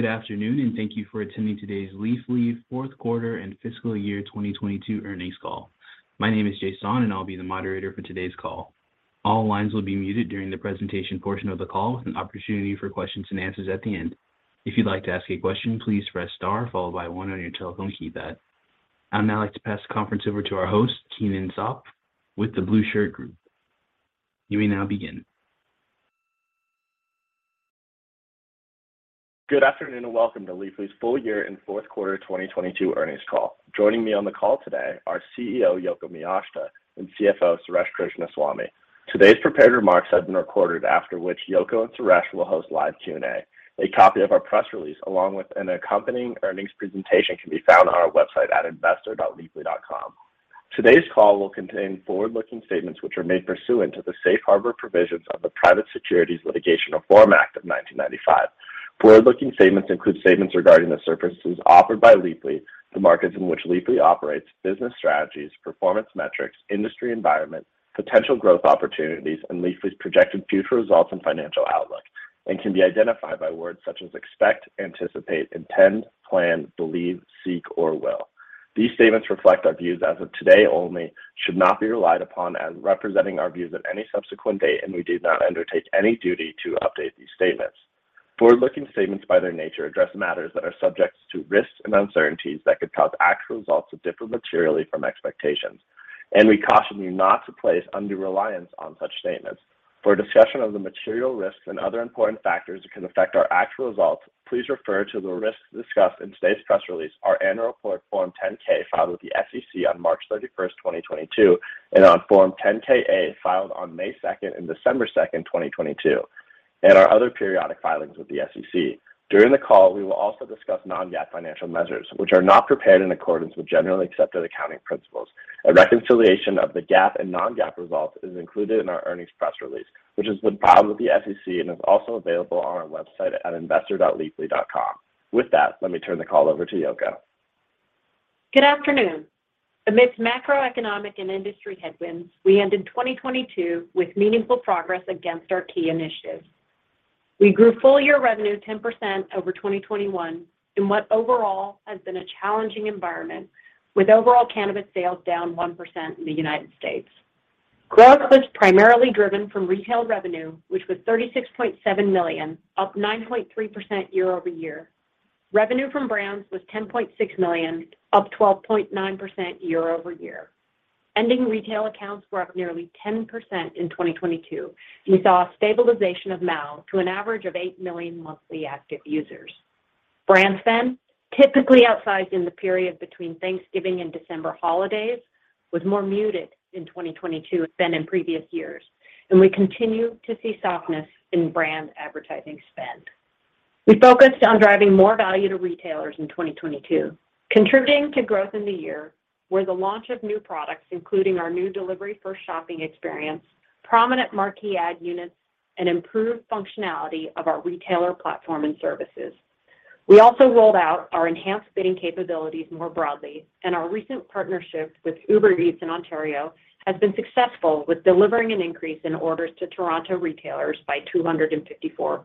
Good afternoon, thank you for attending today's Leafly fourth quarter and fiscal year 2022 earnings call. My name is Jason, and I'll be the moderator for today's call. All lines will be muted during the presentation portion of the call with an opportunity for questions and answers at the end. If you'd like to ask a question, please press star followed by one on your telephone keypad. I'd now like to pass the conference over to our host, Keenan Zopf with The Blueshirt Group. You may now begin. Good afternoon, and welcome to Leafly's full year and fourth quarter 2022 earnings call. Joining me on the call today are CEO, Yoko Miyashita, and CFO, Suresh Krishnaswamy. Today's prepared remarks have been recorded after which Yoko and Suresh will host live Q&A. A copy of our press release, along with an accompanying earnings presentation can be found on our website at investor.leafly.com. Today's call will contain forward-looking statements which are made pursuant to the Safe Harbor provisions of the Private Securities Litigation Reform Act of 1995. Forward-looking statements include statements regarding the services offered by Leafly, the markets in which Leafly operates, business strategies, performance metrics, industry environment, potential growth opportunities, and Leafly's projected future results and financial outlook, and can be identified by words such as expect, anticipate, intend, plan, believe, seek, or will. These statements reflect our views as of today only, should not be relied upon as representing our views at any subsequent date, and we do not undertake any duty to update these statements. Forward-looking statements, by their nature, address matters that are subjects to risks and uncertainties that could cause actual results to differ materially from expectations, and we caution you not to place undue reliance on such statements. For a discussion of the material risks and other important factors that can affect our actual results, please refer to the risks discussed in today's press release, our annual report form 10-K filed with the SEC on March 31st, 2022, and on form 8-K filed on May 2nd and December 2nd, 2022, and our other periodic filings with the SEC. During the call, we will also discuss non-GAAP financial measures, which are not prepared in accordance with generally accepted accounting principles. A reconciliation of the GAAP and non-GAAP results is included in our earnings press release, which has been filed with the SEC and is also available on our website at investor.leafly.com. With that, let me turn the call over to Yoko. Good afternoon. Amidst macroeconomic and industry headwinds, we ended 2022 with meaningful progress against our key initiatives. We grew full year revenue 10% over 2021 in what overall has been a challenging environment with overall cannabis sales down 1% in the United States. Growth was primarily driven from retail revenue, which was $36.7 million, up 9.3% year-over-year. Revenue from brands was $10.6 million, up 12.9% year-over-year. Ending retail accounts were up nearly 10% in 2022, and we saw a stabilization of MAU to an average of 8 million monthly active users. Brand spend, typically outsized in the period between Thanksgiving and December holidays, was more muted in 2022 than in previous years, and we continue to see softness in brand advertising spend. We focused on driving more value to retailers in 2022. Contributing to growth in the year were the launch of new products, including our new delivery-first shopping experience, prominent Marquee ad units, and improved functionality of our retailer platform and services. We also rolled out our enhanced bidding capabilities more broadly. Our recent partnership with Uber Eats in Ontario has been successful with delivering an increase in orders to Toronto retailers by 254%.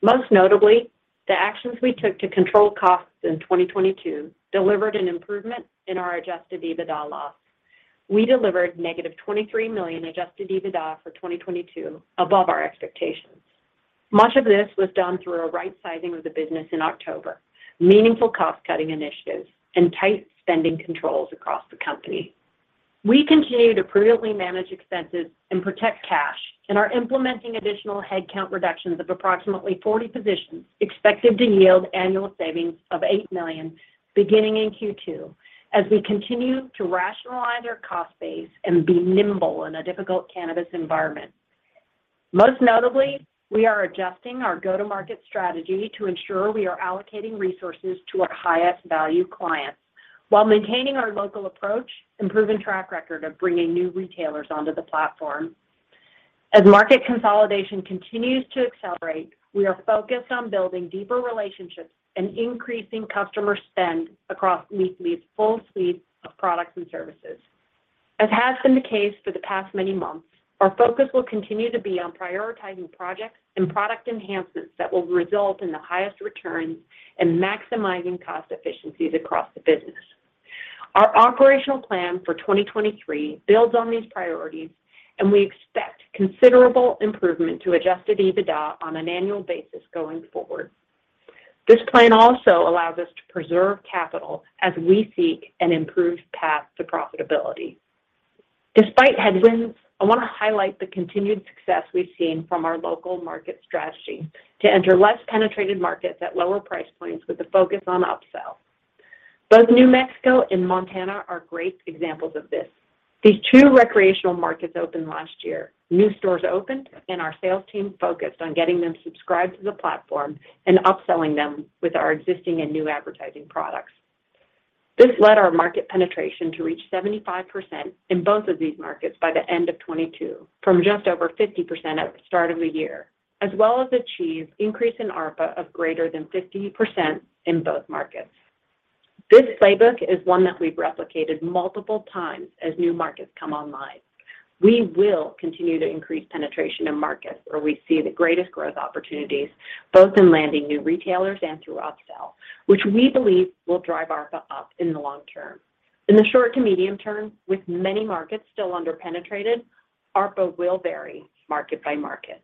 Most notably, the actions we took to control costs in 2022 delivered an improvement in our adjusted EBITDA loss. We delivered negative $23 million adjusted EBITDA for 2022 above our expectations. Much of this was done through a right-sizing of the business in October, meaningful cost-cutting initiatives, and tight spending controls across the company. We continue to prudently manage expenses and protect cash, and are implementing additional headcount reductions of approximately 40 positions expected to yield annual savings of $8 million beginning in Q2 as we continue to rationalize our cost base and be nimble in a difficult cannabis environment. Most notably, we are adjusting our go-to-market strategy to ensure we are allocating resources to our highest value clients while maintaining our local approach and proven track record of bringing new retailers onto the platform. As market consolidation continues to accelerate, we are focused on building deeper relationships and increasing customer spend across Leafly's full suite of products and services. As has been the case for the past many months, our focus will continue to be on prioritizing projects and product enhancements that will result in the highest returns and maximizing cost efficiencies across the business. Our operational plan for 2023 builds on these priorities. We expect considerable improvement to adjusted EBITDA on an annual basis going forward. This plan also allows us to preserve capital as we seek an improved path to profitability. Despite headwinds, I want to highlight the continued success we've seen from our local market strategy to enter less penetrated markets at lower price points with a focus on upsell. Both New Mexico and Montana are great examples of this. These 2 recreational markets opened last year. New stores opened. Our sales team focused on getting them subscribed to the platform and upselling them with our existing and new advertising products. This led our market penetration to reach 75% in both of these markets by the end of 2022, from just over 50% at the start of the year, as well as achieve increase in ARPA of greater than 50% in both markets. This playbook is one that we've replicated multiple times as new markets come online. We will continue to increase penetration in markets where we see the greatest growth opportunities, both in landing new retailers and through upsell, which we believe will drive ARPA up in the long term. In the short to medium term, with many markets still under-penetrated, ARPA will vary market by market.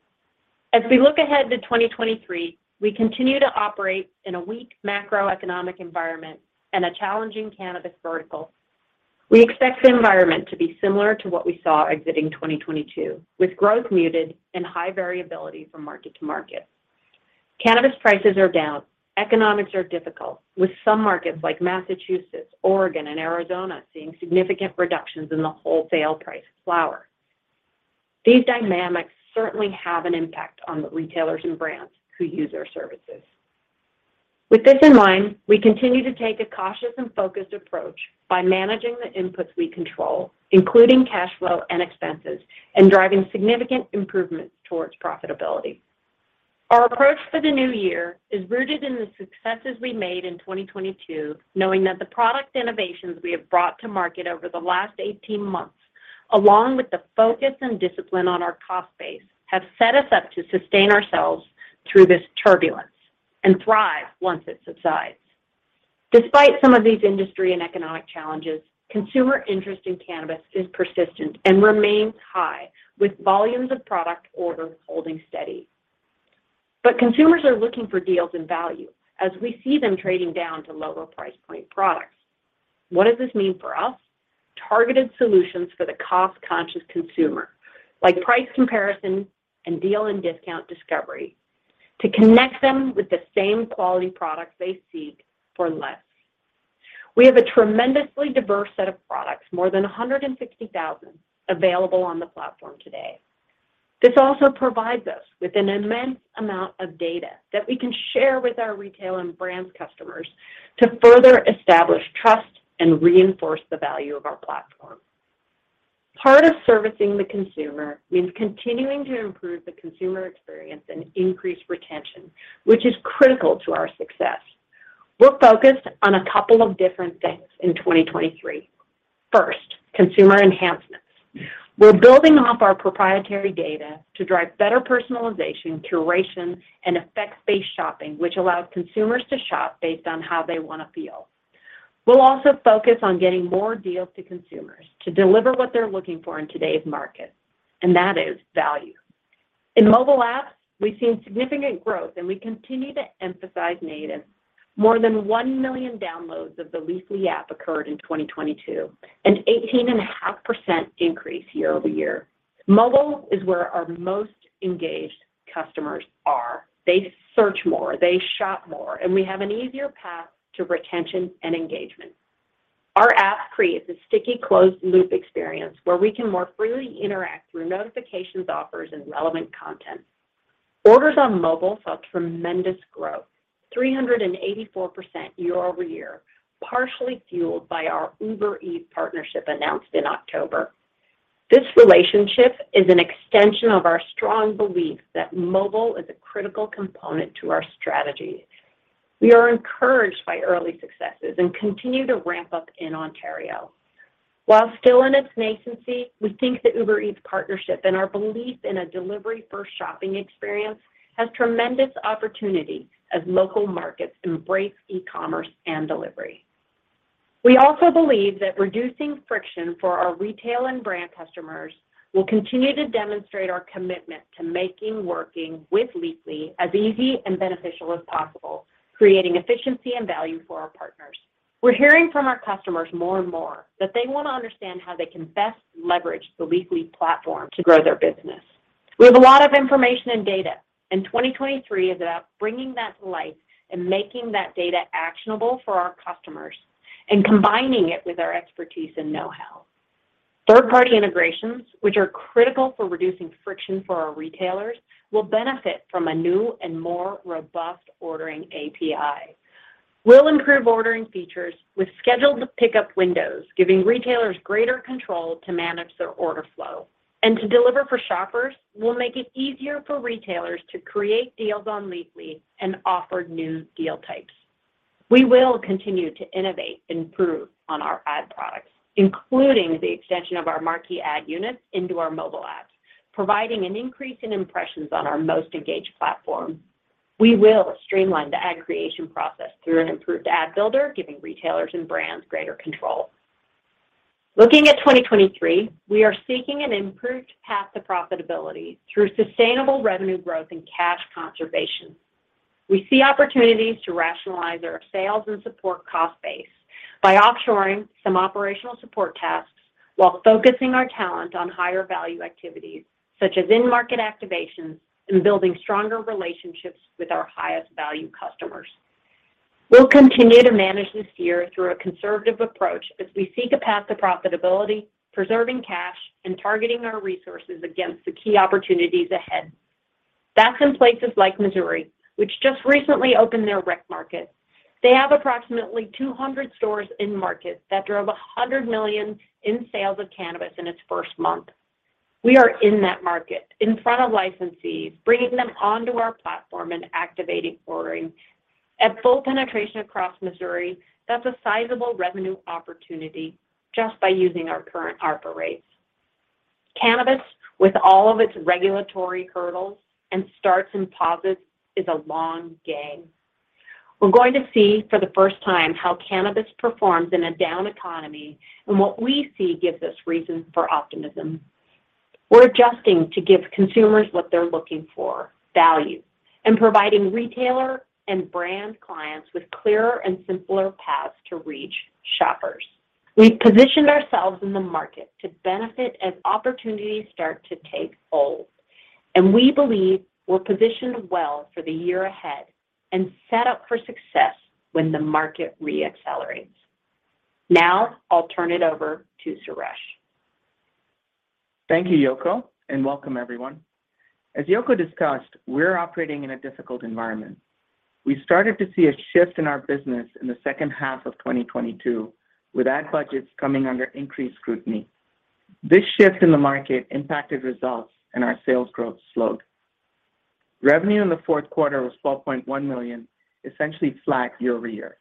As we look ahead to 2023, we continue to operate in a weak macroeconomic environment and a challenging cannabis vertical. We expect the environment to be similar to what we saw exiting 2022, with growth muted and high variability from market to market. Cannabis prices are down. Economics are difficult, with some markets like Massachusetts, Oregon, and Arizona seeing significant reductions in the wholesale price of flower. These dynamics certainly have an impact on the retailers and brands who use our services. With this in mind, we continue to take a cautious and focused approach by managing the inputs we control, including cash flow and expenses, and driving significant improvements towards profitability. Our approach for the new year is rooted in the successes we made in 2022, knowing that the product innovations we have brought to market over the last 18 months, along with the focus and discipline on our cost base, have set us up to sustain ourselves through this turbulence and thrive once it subsides. Despite some of these industry and economic challenges, consumer interest in cannabis is persistent and remains high, with volumes of product orders holding steady. Consumers are looking for deals and value as we see them trading down to lower price point products. What does this mean for us? Targeted solutions for the cost-conscious consumer, like price comparison and deal and discount discovery, to connect them with the same quality products they seek for less. We have a tremendously diverse set of products, more than 150,000, available on the platform today. This also provides us with an immense amount of data that we can share with our retail and brand customers to further establish trust and reinforce the value of our platform. Part of servicing the consumer means continuing to improve the consumer experience and increase retention, which is critical to our success. We're focused on a couple of different things in 2023. First, consumer enhancements. We're building off our proprietary data to drive better personalization, curation, and effects-based shopping, which allows consumers to shop based on how they want to feel. We'll also focus on getting more deals to consumers to deliver what they're looking for in today's market, and that is value. In mobile apps, we've seen significant growth, and we continue to emphasize native. More than 1 million downloads of the Leafly app occurred in 2022, an 18.5% increase year-over-year. Mobile is where our most engaged customers are. They search more, they shop more, and we have an easier path to retention and engagement. Our app creates a sticky, closed-loop experience where we can more freely interact through notifications, offers, and relevant content. Orders on mobile saw tremendous growth, 384% year-over-year, partially fueled by our Uber Eats partnership announced in October. This relationship is an extension of our strong belief that mobile is a critical component to our strategy. We are encouraged by early successes and continue to ramp up in Ontario. While still in its nascency, we think the Uber Eats partnership and our belief in a delivery-first shopping experience has tremendous opportunity as local markets embrace e-commerce and delivery. We also believe that reducing friction for our retail and brand customers will continue to demonstrate our commitment to making working with Leafly as easy and beneficial as possible, creating efficiency and value for our partners. We're hearing from our customers more and more that they want to understand how they can best leverage the Leafly platform to grow their business. We have a lot of information and data, 2023 is about bringing that to life and making that data actionable for our customers and combining it with our expertise and know-how. Third-party integrations, which are critical for reducing friction for our retailers, will benefit from a new and more robust ordering API. We'll improve ordering features with scheduled pickup windows, giving retailers greater control to manage their order flow. To deliver for shoppers, we'll make it easier for retailers to create deals on Leafly and offer new deal types. We will continue to innovate and improve on our ad products, including the extension of our Marquee ad units into our mobile apps, providing an increase in impressions on our most engaged platform. We will streamline the ad creation process through an improved ad builder, giving retailers and brands greater control. Looking at 2023, we are seeking an improved path to profitability through sustainable revenue growth and cash conservation. We see opportunities to rationalize our sales and support cost base by offshoring some operational support tasks while focusing our talent on higher-value activities, such as in-market activations and building stronger relationships with our highest-value customers. We'll continue to manage this year through a conservative approach as we seek a path to profitability, preserving cash, and targeting our resources against the key opportunities ahead. That's in places like Missouri, which just recently opened their rec market. They have approximately 200 stores in-market that drove $100 million in sales of cannabis in its first month. We are in that market, in front of licensees, bringing them onto our platform and activating ordering. At full penetration across Missouri, that's a sizable revenue opportunity just by using our current ARPA rates. Cannabis, with all of its regulatory hurdles and starts and pauses, is a long game. We're going to see for the first time how cannabis performs in a down economy, and what we see gives us reason for optimism. We're adjusting to give consumers what they're looking for, value, and providing retailer and brand clients with clearer and simpler paths to reach shoppers. We've positioned ourselves in the market to benefit as opportunities start to take hold, and we believe we're positioned well for the year ahead and set up for success when the market re-accelerates. Now I'll turn it over to Suresh. Thank you, Yoko, and welcome everyone. As Yoko discussed, we're operating in a difficult environment. We started to see a shift in our business in the second half of 2022, with ad budgets coming under increased scrutiny. This shift in the market impacted results and our sales growth slowed. Revenue in the fourth quarter was $12.1 million, essentially flat year-over-year.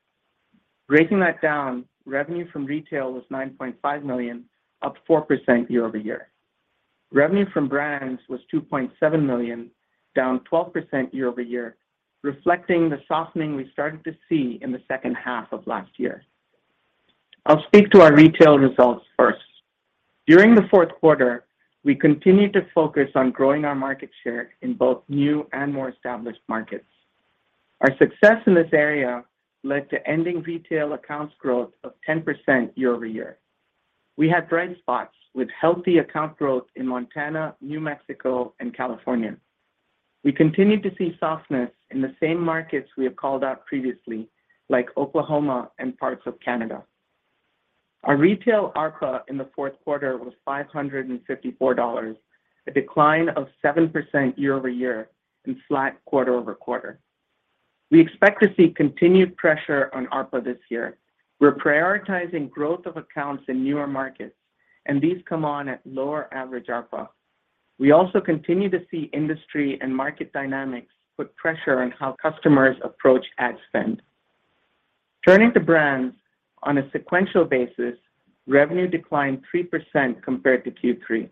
Breaking that down, revenue from retail was $9.5 million, up 4% year-over-year. Revenue from brands was $2.7 million, down 12% year-over-year, reflecting the softening we started to see in the second half of last year. I'll speak to our retail results first. During the fourth quarter, we continued to focus on growing our market share in both new and more established markets. Our success in this area led to ending retail accounts growth of 10% year-over-year. We had bright spots with healthy account growth in Montana, New Mexico and California. We continued to see softness in the same markets we have called out previously, like Oklahoma and parts of Canada. Our retail ARPA in the fourth quarter was $554, a decline of 7% year-over-year and flat quarter-over-quarter. We expect to see continued pressure on ARPA this year. We're prioritizing growth of accounts in newer markets, and these come on at lower average ARPA. We also continue to see industry and market dynamics put pressure on how customers approach ad spend. Turning to brands, on a sequential basis, revenue declined 3% compared to Q3.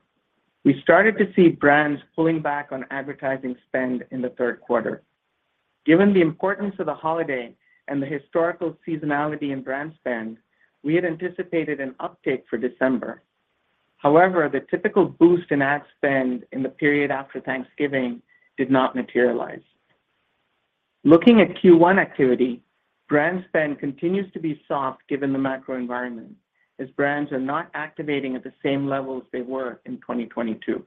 We started to see brands pulling back on advertising spend in the third quarter. Given the importance of the holiday and the historical seasonality in brand spend, we had anticipated an uptick for December. However, the typical boost in ad spend in the period after Thanksgiving did not materialize. Looking at Q1 activity, brand spend continues to be soft given the macro environment as brands are not activating at the same levels they were in 2022.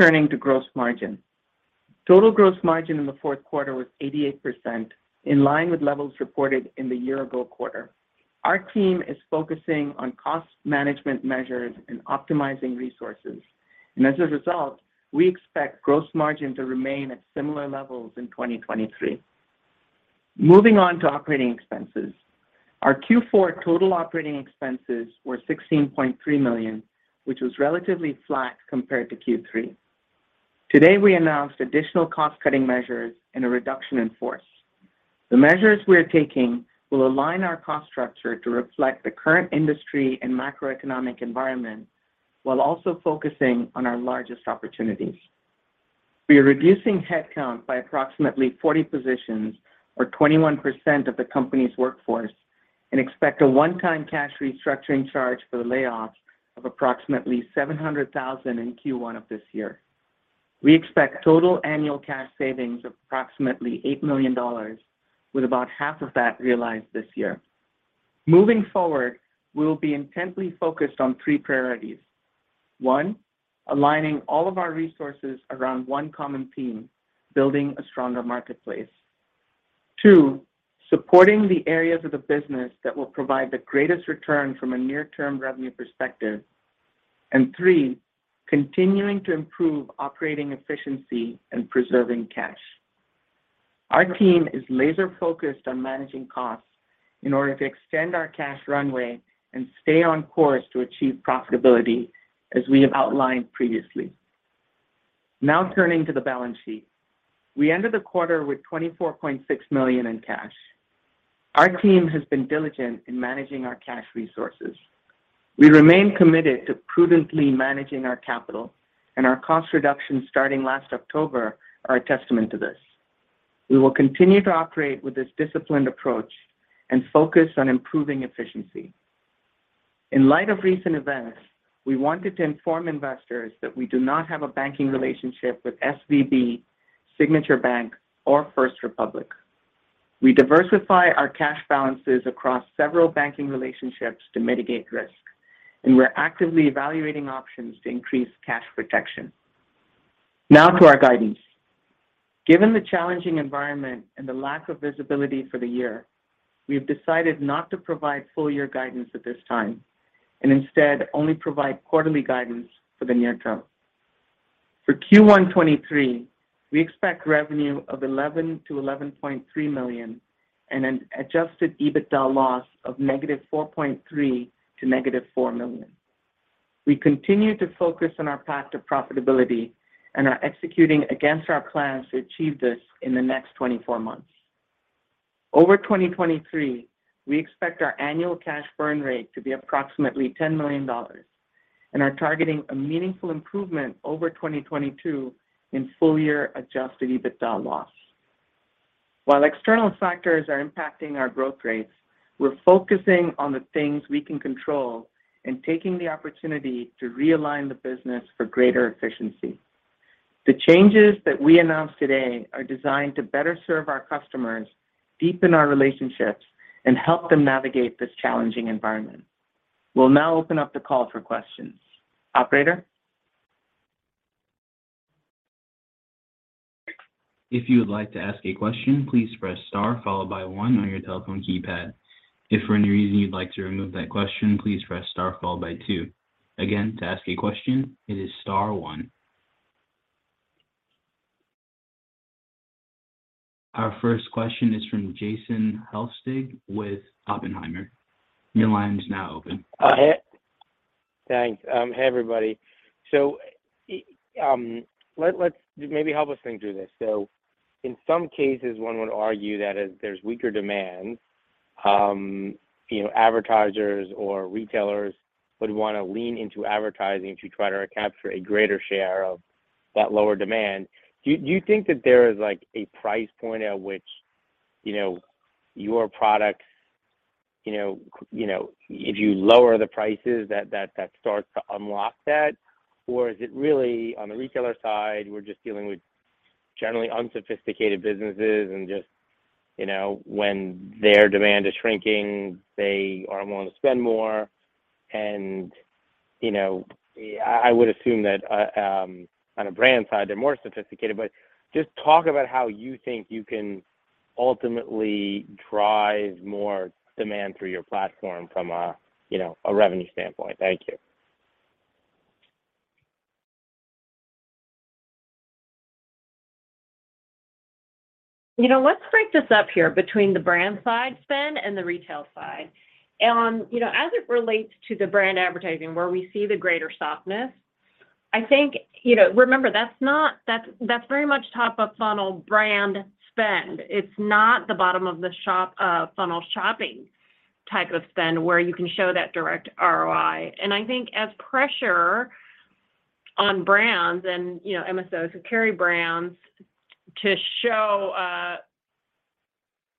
Turning to gross margin. Total gross margin in the fourth quarter was 88%, in line with levels reported in the year-ago quarter. Our team is focusing on cost management measures and optimizing resources. As a result, we expect gross margin to remain at similar levels in 2023. Moving on to operating expenses. Our Q4 total operating expenses were $16.3 million, which was relatively flat compared to Q3. Today, we announced additional cost-cutting measures and a reduction in force. The measures we're taking will align our cost structure to reflect the current industry and macroeconomic environment while also focusing on our largest opportunities. We are reducing headcount by approximately 40 positions or 21% of the company's workforce and expect a one-time cash restructuring charge for the layoffs of approximately $700,000 in Q1 of this year. We expect total annual cash savings of approximately $8 million, with about half of that realized this year. Moving forward, we will be intently focused on three priorities. One, aligning all of our resources around one common theme, building a stronger marketplace. Two, supporting the areas of the business that will provide the greatest return from a near-term revenue perspective. Three, continuing to improve operating efficiency and preserving cash. Our team is laser-focused on managing costs in order to extend our cash runway and stay on course to achieve profitability as we have outlined previously. Turning to the balance sheet. We ended the quarter with $24.6 million in cash. Our team has been diligent in managing our cash resources. We remain committed to prudently managing our capital, and our cost reductions starting last October are a testament to this. We will continue to operate with this disciplined approach and focus on improving efficiency. In light of recent events, we wanted to inform investors that we do not have a banking relationship with SVB, Signature Bank, or First Republic. We diversify our cash balances across several banking relationships to mitigate risk, and we're actively evaluating options to increase cash protection. To our guidance. Given the challenging environment and the lack of visibility for the year, we have decided not to provide full year guidance at this time and instead only provide quarterly guidance for the near term. For Q1 '23, we expect revenue of $11 million-$11.3 million and an adjusted EBITDA loss of negative $4.3 million to negative $4 million. We continue to focus on our path to profitability and are executing against our plans to achieve this in the next 24 months. Over 2023, we expect our annual cash burn rate to be approximately $10 million and are targeting a meaningful improvement over 2022 in full year adjusted EBITDA loss. While external factors are impacting our growth rates, we're focusing on the things we can control and taking the opportunity to realign the business for greater efficiency. The changes that we announced today are designed to better serve our customers, deepen our relationships, and help them navigate this challenging environment. We'll now open up the call for questions. Operator? If you would like to ask a question, please press star followed by one on your telephone keypad. If for any reason you'd like to remove that question, please press star followed by two. Again, to ask a question, it is star one. Our first question is from Jason Helfstein with Oppenheimer. Your line is now open. Hey. Thanks. Hey, everybody. Let's maybe help us think through this. In some cases, one would argue that as there's weaker demand, you know, advertisers or retailers would wanna lean into advertising to try to recapture a greater share of that lower demand. Do you think that there is like a price point at which, you know, your products, you know, if you lower the prices that starts to unlock that? Or is it really on the retailer side, we're just dealing with generally unsophisticated businesses and just, you know, when their demand is shrinking, they are willing to spend more? You know, I would assume that on a brand side, they're more sophisticated, but just talk about how you think you can ultimately drive more demand through your platform from a, you know, a revenue standpoint. Thank you. You know, let's break this up here between the brand side spend and the retail side. You know, as it relates to the brand advertising where we see the greater softness, I think, you know, remember that's very much top of funnel brand spend. It's not the bottom of the shop, funnel shopping type of spend where you can show that direct ROI. I think as pressure on brands and, you know, MSOs who carry brands to show a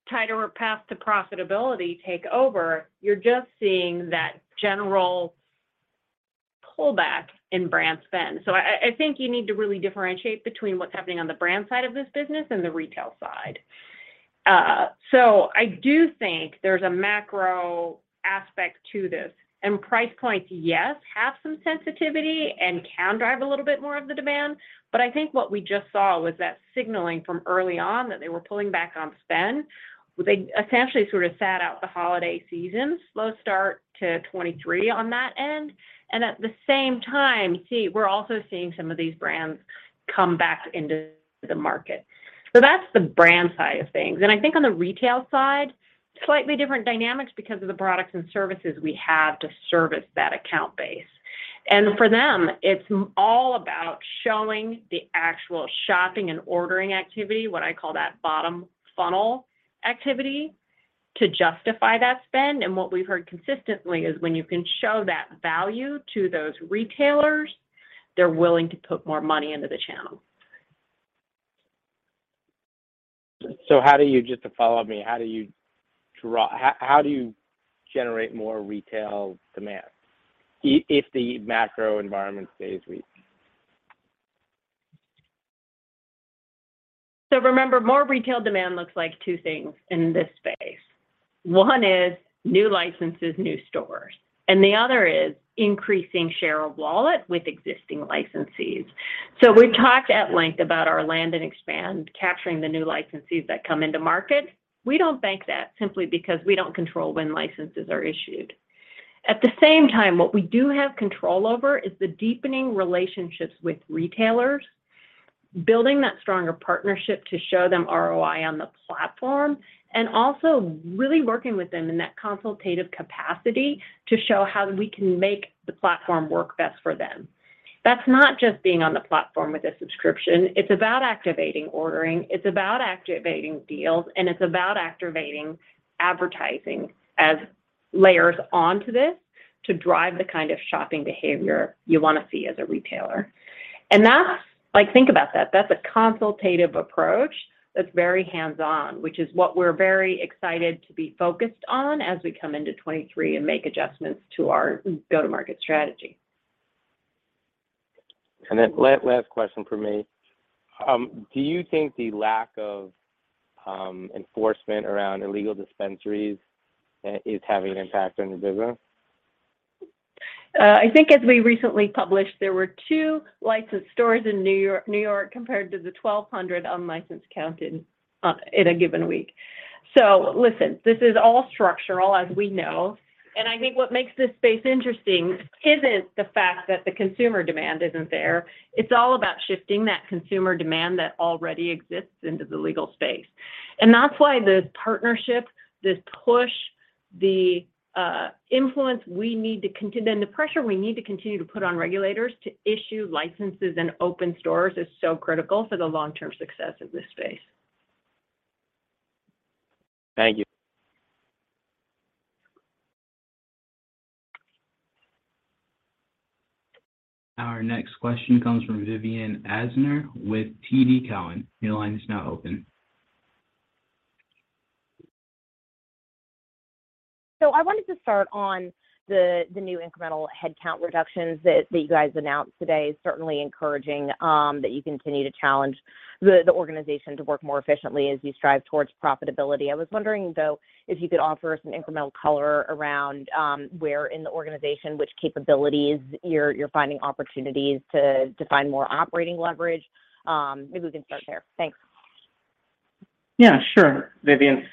tighter path to profitability take over, you're just seeing that general pullback in brand spend. I think you need to really differentiate between what's happening on the brand side of this business and the retail side. I do think there's a macro aspect to this. Price points, yes, have some sensitivity and can drive a little bit more of the demand, but I think what we just saw was that signaling from early on that they were pulling back on spend. They essentially sort of sat out the holiday season, slow start to 2023 on that end. At the same time, we're also seeing some of these brands come back into the market. That's the brand side of things. I think on the retail side, slightly different dynamics because of the products and services we have to service that account base. For them, it's all about showing the actual shopping and ordering activity, what I call that bottom funnel activity, to justify that spend. What we've heard consistently is when you can show that value to those retailers, they're willing to put more money into the channel. How do you, just to follow me, How do you generate more retail demand if the macro environment stays weak? Remember, more retail demand looks like two things in this space. One is new licenses, new stores, and the other is increasing share of wallet with existing licensees. We talked at length about our land and expand, capturing the new licensees that come into market. We don't bank that simply because we don't control when licenses are issued. At the same time, what we do have control over is the deepening relationships with retailers, building that stronger partnership to show them ROI on the platform, and also really working with them in that consultative capacity to show how we can make the platform work best for them. That's not just being on the platform with a subscription. It's about activating ordering, it's about activating deals, and it's about activating advertising as layers onto this to drive the kind of shopping behavior you wanna see as a retailer. That's, like, think about that. That's a consultative approach that's very hands-on, which is what we're very excited to be focused on as we come into 2023 and make adjustments to our go-to-market strategy. Last question from me. Do you think the lack of enforcement around illegal dispensaries is having an impact on the business? I think as we recently published, there were 2 licensed stores in New York, New York compared to the 1,200 unlicensed counted in a given week. Listen, this is all structural as we know. I think what makes this space interesting isn't the fact that the consumer demand isn't there. It's all about shifting that consumer demand that already exists into the legal space. That's why this partnership, this push, the influence we need and the pressure we need to continue to put on regulators to issue licenses and open stores is so critical for the long-term success of this space. Thank you. Our next question comes from Vivien Azer with TD Cowen. Your line is now open. I wanted to start on the new incremental headcount reductions that you guys announced today. Certainly encouraging that you continue to challenge the organization to work more efficiently as you strive towards profitability. I was wondering though, if you could offer us an incremental color around where in the organization, which capabilities you're finding opportunities to find more operating leverage. Maybe we can start there. Thanks. Yeah, sure, Vivien.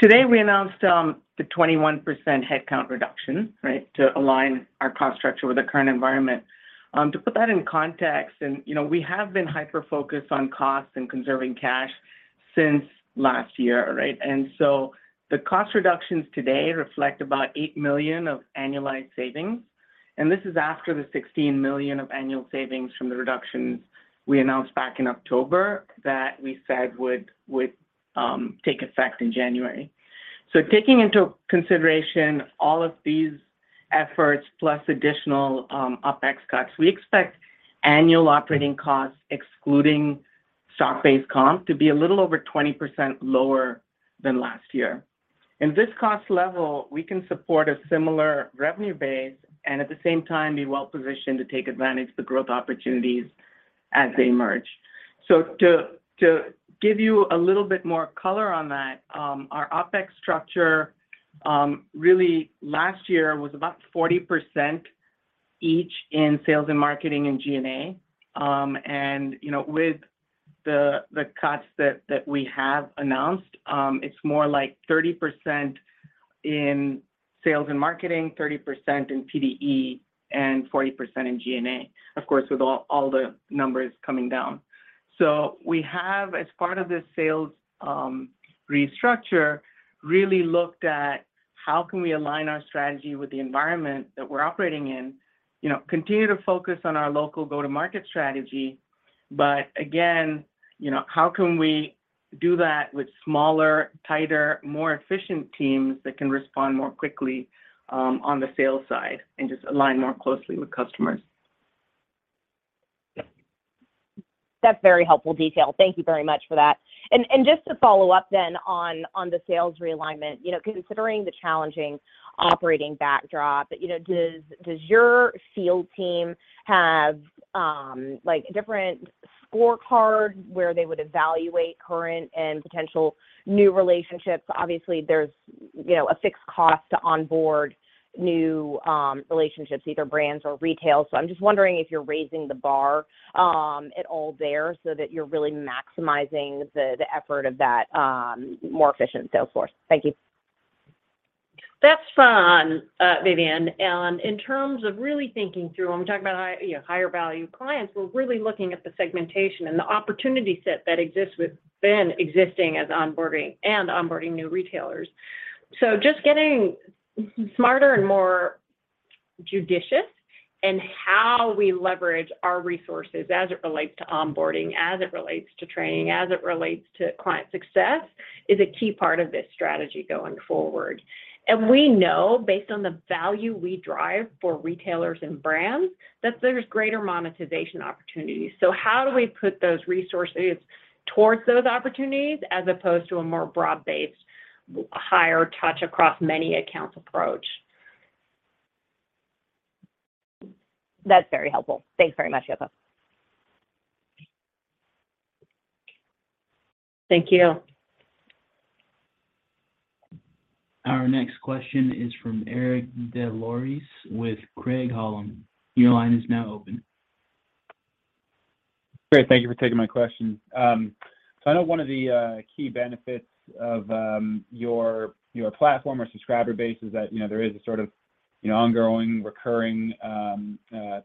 Today we announced the 21% headcount reduction, right? To align our cost structure with the current environment. To put that in context, you know, we have been hyper-focused on costs and conserving cash since last year, right? The cost reductions today reflect about $8 million of annualized savings, and this is after the $16 million of annual savings from the reductions we announced back in October that we said would take effect in January. Taking into consideration all of these efforts plus additional OpEx cuts, we expect annual operating costs, excluding stock-based comp, to be a little over 20% lower than last year. In this cost level, we can support a similar revenue base and at the same time be well-positioned to take advantage of the growth opportunities as they emerge. To give you a little bit more color on that, our OpEx structure really last year was about 40% each in sales and marketing and G&A. You know, with the cuts that we have announced, it's more like 30% in sales and marketing, 30% in PDE, and 40% in G&A. Of course, with all the numbers coming down. We have, as part of this sales restructure, really looked at how can we align our strategy with the environment that we're operating in, you know, continue to focus on our local go-to-market strategy. Again, you know, how can we do that with smaller, tighter, more efficient teams that can respond more quickly on the sales side and just align more closely with customers? That's very helpful detail. Thank you very much for that. Just to follow up then on the sales realignment, you know, considering the challenging operating backdrop, you know, does your field team have like different scorecards where they would evaluate current and potential new relationships? Obviously, there's, you know, a fixed cost to onboard new relationships, either brands or retail. I'm just wondering if you're raising the bar at all there so that you're really maximizing the effort of that more efficient sales force. Thank you. That's fun, Vivien. In terms of really thinking through, when we talk about, you know, higher value clients, we're really looking at the segmentation and the opportunity set that exists with existing as onboarding and onboarding new retailers. Just getting smarter and more judicious in how we leverage our resources as it relates to onboarding, as it relates to training, as it relates to client success, is a key part of this strategy going forward. We know based on the value we drive for retailers and brands, that there's greater monetization opportunities. How do we put those resources towards those opportunities as opposed to a more broad-based higher touch across many accounts approach? That's very helpful. Thanks very much, Yoko. Thank you. Our next question is from Eric Des Lauriers with Craig-Hallum. Your line is now open. Great. Thank you for taking my question. I know one of the key benefits of your platform or subscriber base is that, you know, there is a sort of, you know, ongoing recurring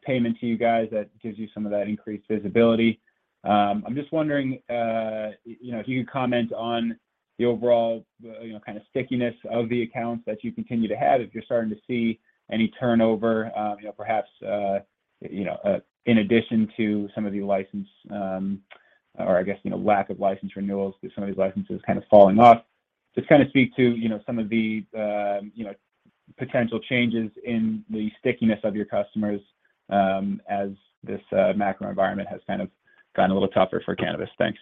payment to you guys that gives you some of that increased visibility. I'm just wondering, you know, if you could comment on the overall, you know, kind of stickiness of the accounts that you continue to have, if you're starting to see any turnover, you know, perhaps, you know, in addition to some of the license, or I guess, you know, lack of license renewals with some of these licenses kind of falling off. Just kind of speak to, you know, some of the, you know, potential changes in the stickiness of your customers, as this macro environment has kind of gotten a little tougher for cannabis. Thanks.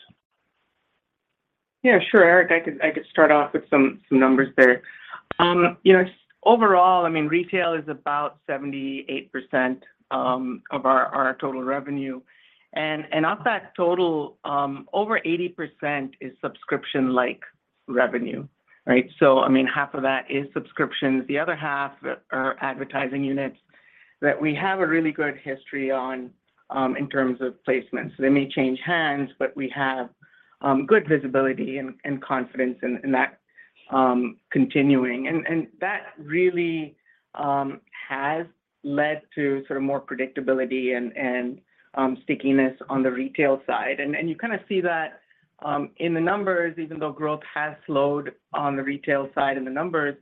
Yeah, sure, Eric. I could start off with some numbers there. You know, overall, I mean, retail is about 78% of our total revenue. Of that total, over 80% is subscription-like revenue, right? I mean, half of that is subscriptions. The other half are advertising units that we have a really good history on in terms of placements. They may change hands, but we have good visibility and confidence in that continuing. That really has led to sort of more predictability and stickiness on the retail side. You kinda see that in the numbers, even though growth has slowed on the retail side in the numbers,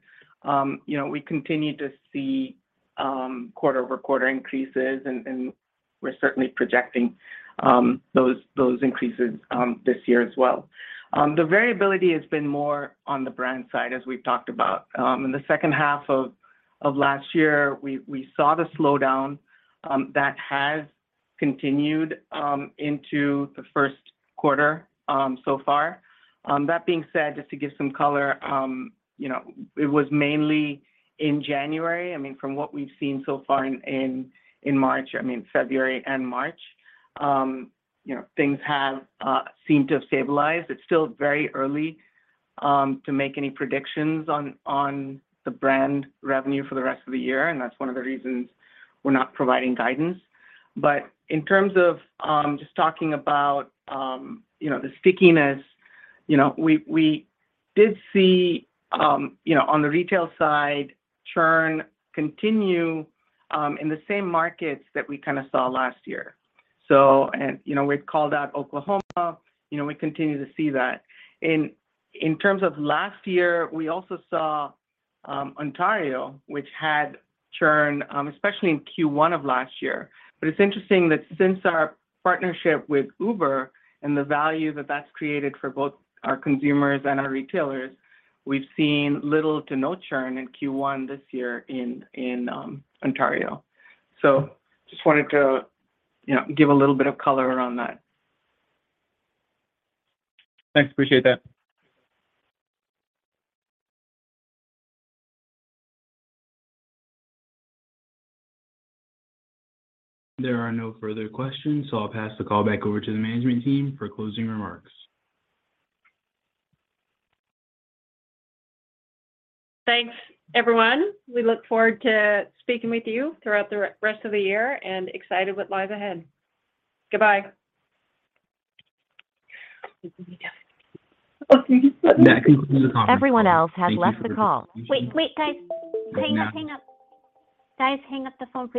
you know, we continue to see quarter-over-quarter increases. We're certainly projecting those increases this year as well. The variability has been more on the brand side, as we've talked about. In the second half of last year, we saw the slowdown that has continued into the first quarter so far. That being said, just to give some color, you know, it was mainly in January. From what we've seen so far in March, I mean, February and March, you know, things have seemed to have stabilized. It's still very early to make any predictions on the brand revenue for the rest of the year, and that's one of the reasons we're not providing guidance. In terms of, just talking about, you know, the stickiness, you know, we did see, you know, on the retail side, churn continue, in the same markets that we kinda saw last year. You know, we've called out Oklahoma. You know, we continue to see that. In terms of last year, we also saw Ontario, which had churn, especially in Q1 of last year. It's interesting that since our partnership with Uber and the value that that's created for both our consumers and our retailers, we've seen little to no churn in Q1 this year in Ontario. Just wanted to, you know, give a little bit of color around that. Thanks. Appreciate that. There are no further questions, so I'll pass the call back over to the management team for closing remarks. Thanks, everyone. We look forward to speaking with you throughout the rest of the year and excited what lies ahead. Goodbye. That concludes the conference call. Thank you for your participation. Everyone else has left the call. Wait, guys. Hang up. Guys, hang up the phone.